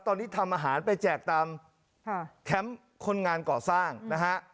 ตอนนี้ทำอาหารไปแจกตามแคมป์คนงานก่อสร้างนะฮะ